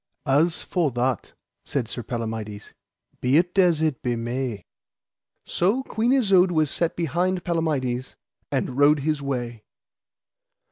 As for that, said Sir Palamides, be it as it be may. So Queen Isoud was set behind Palamides, and rode his way.